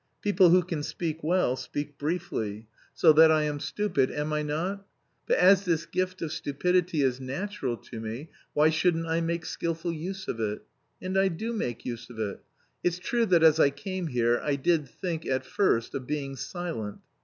People who can speak well, speak briefly. So that I am stupid, am I not? But as this gift of stupidity is natural to me, why shouldn't I make skilful use of it? And I do make use of it. It's true that as I came here, I did think, at first, of being silent.